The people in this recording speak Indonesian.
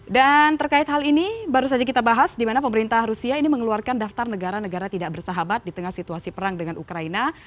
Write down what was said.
dan terkait hal ini baru saja kita bahas dimana pemerintah rusia ini mengeluarkan daftar negara negara tidak bersahabat di tengah situasi perang dengan ukraina